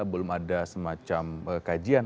belum ada semacam kajian